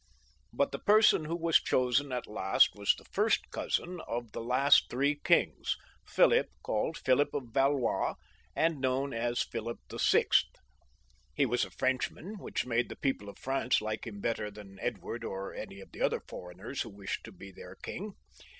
But the person who was chosen at last was the first cousin of the three last kings, Philip, called Philip of Valois, and known as Philip VL He was a Frenchman, which made the people of France like him better than Edward or any of the other foreigners who wished to be their king.